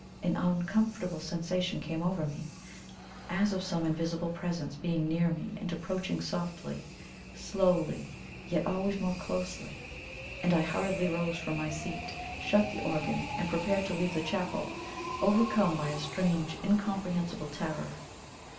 An uncomfortable sensation came over me, as of some invisible presence being near me and approaching softly, slowly, yet always more closely; and I hurriedly rose from my seat, shut the organ, and prepared to leave the chapel, overcome by a strange incomprehensible terror.